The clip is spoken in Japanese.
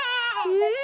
うん？